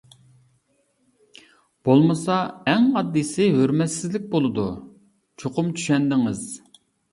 بولمىسا، ئەڭ ئاددىيسى ھۆرمەتسىزلىك بولىدۇ. چوقۇم چۈشەندىڭىز.